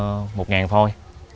sản xuất được một thôi